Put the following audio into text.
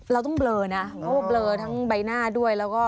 เราต้องเบลอนะเพราะว่าเบลอทั้งใบหน้าด้วยแล้วก็